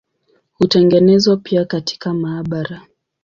Hutengenezwa pia katika maabara.